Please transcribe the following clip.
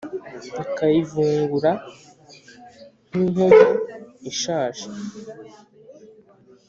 Ikayivungura nk’inkomo ishaje